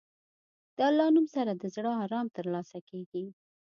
د الله نوم سره د زړه ارام ترلاسه کېږي.